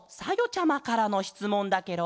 ちゃまからのしつもんだケロ。